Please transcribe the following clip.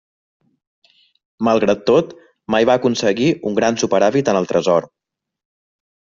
Malgrat tot mai va aconseguir un gran superàvit en el Tresor.